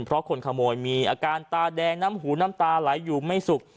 เพราะคนขโมยมีอาการตาแดงน้ำหูน้ำตาไหลอยู่ไม่สุก